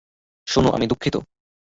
শোনো, আমি দুঃখিত!